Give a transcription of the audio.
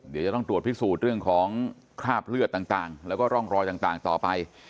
เดี๋ยวจะต้องตรวจพิสูจน์เรื่องของคราบเลือดต่างแล้วก็ร่องรอยต่างต่อไป